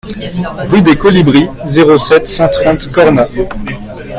Rue des Colibris, zéro sept, cent trente Cornas